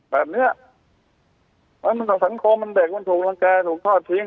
แบบเนี้ยมันต่อสังคมมันเด็กมันถูกรังแก่ถูกทอดทิ้ง